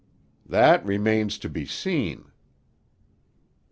"That remains to be seen."